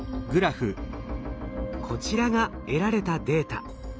こちらが得られたデータ。